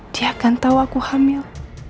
dia akan tahu aku hamil